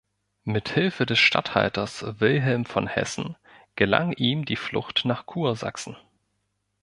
Mit Hilfe des Statthalters Wilhelm von Hessen gelang ihm die Flucht nach Kursachsen.